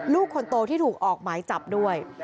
ลูกคนโตที่ถูกออกหมายจับด้วย